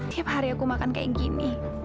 tiap hari aku makan kayak gini